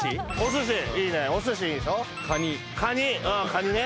カニね。